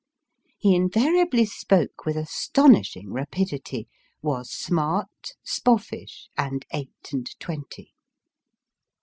He invariably spoke with astonishing rapidity ; was smart, spoffish, and eight and twenty.